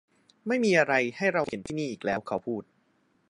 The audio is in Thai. ไม่มีอะไรให้เราเห็นที่นี่อีกแล้วเขาพูด